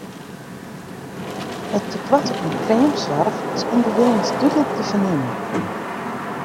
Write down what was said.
It tekoart oan kreamsoarch is ûnderwilens dúdlik te fernimmen.